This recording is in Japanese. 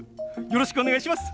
よろしくお願いします！